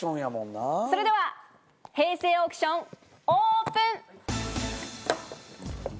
それでは平成オークション、オープン。